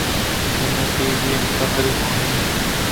ھن ٽي ويئم خبريون ڪونين.